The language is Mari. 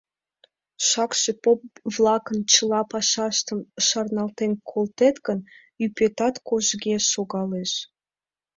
Шакше поп-влакын чыла пашаштым шарналтен колтет гын, ӱпетат кожге шогалеш.